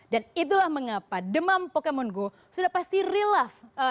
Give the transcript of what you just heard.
dan itulah mengapa demam pokemon go sudah pasti relapse